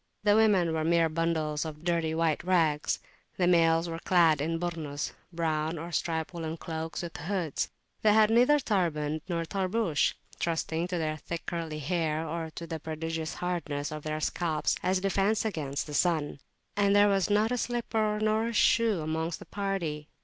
The women were mere bundles of dirty white rags. The males were clad in "Burnus" brown or striped woollen cloaks with hoods; they had neither turband nor tarbush, trusting to their thick curly hair or to the prodigious hardness of their scalps as a defence against the sun; and there was not a slipper nor a shoe amongst the party.